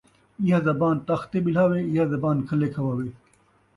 ایہا زبان تخت تے ٻلہاوے، ایہا زبان کھلے کھواوے